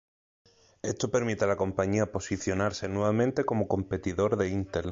Esto permite a la compañía posicionarse nuevamente como competidor de Intel.